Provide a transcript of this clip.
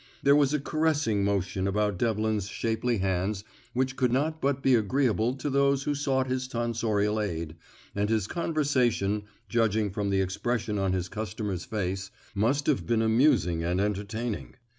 There was a caressing motion about Devlin's shapely hands which could not but be agreeable to those who sought his tonsorial aid, and his conversation, judging from the expression on his customer's face, must have been amusing and entertaining.